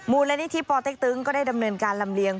มูลนิธิปอเต็กตึงก็ได้ดำเนินการลำเลียง